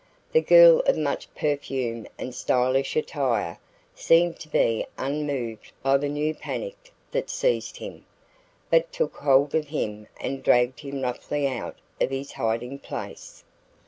The girl of much perfume and stylish attire seemed to be unmoved by the new panic that seized him, but took hold of him and dragged him roughly out of his hiding place.